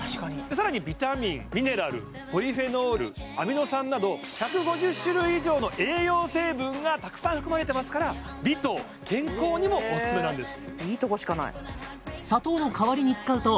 さらにビタミンミネラルポリフェノールアミノ酸などがたくさん含まれてますから美と健康にもおすすめなんです